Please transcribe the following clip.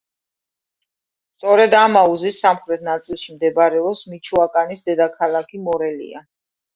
სწორედ ამ აუზის სამხრეთ ნაწილში მდებარეობს მიჩოაკანის დედაქალაქი მორელია.